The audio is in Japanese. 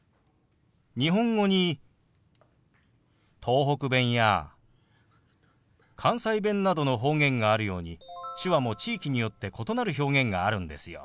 日本語に東北弁や関西弁などの方言があるように手話も地域によって異なる表現があるんですよ。